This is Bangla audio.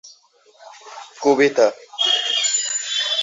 সেখানে তার নাম গগন পাল।